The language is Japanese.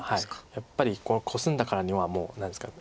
やっぱりコスんだからにはもう何ですか。